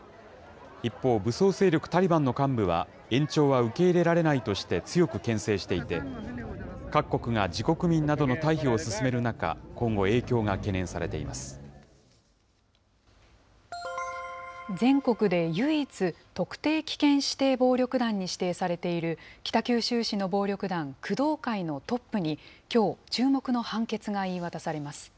一方、武装勢力タリバンの幹部は、延長は受け入れられないとして強くけん制していて、各国が自国民などの退避を進める中、今後、影響が全国で唯一、特定危険指定暴力団に指定されている、北九州市の暴力団、工藤会のトップに、きょう、注目の判決が言い渡されます。